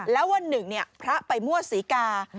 แล้ววันหนึ่งพระไปมั่วศรีกา